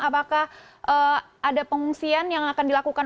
apakah ada pengungsian yang akan dilakukan